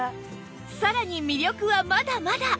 さらに魅力はまだまだ！